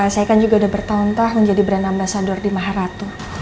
saya kan juga udah bertahun tahun menjadi brand ambasador di maharatu